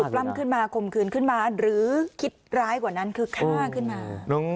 ปล้ำขึ้นมาข่มขืนขึ้นมาหรือคิดร้ายกว่านั้นคือฆ่าขึ้นมา